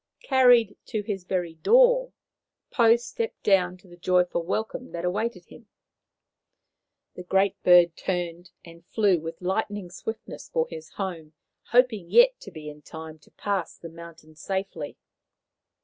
Carried to his very door, Pou stepped down to the joyful welcome that awaited him ; the Great Bird turned and flew with lightning swiftness for his home, hoping yet to be in time to pass the mountain safely.